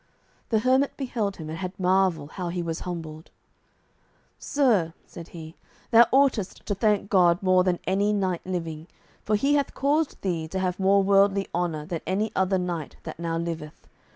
The hermit beheld him, and had marvel how he was humbled. "Sir," said he, "thou oughtest to thank God more than any knight living, for He hath caused thee to have more worldly honour than any other knight that now liveth.